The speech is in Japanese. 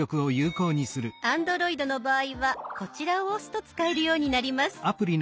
Ａｎｄｒｏｉｄの場合はこちらを押すと使えるようになります。